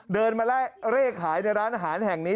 เดินมาเลขขายในร้านอาหารแห่งนี้